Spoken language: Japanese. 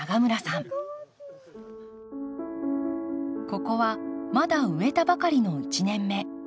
ここはまだ植えたばかりの１年目。